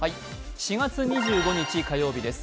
４月２５日火曜日です。